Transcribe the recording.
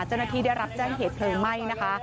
จนนาทีได้รับจ้างเหตุเพลิงไหม้นะคะ